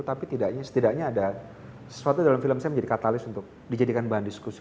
tapi setidaknya ada sesuatu dalam film saya menjadi katalis untuk dijadikan bahan diskusi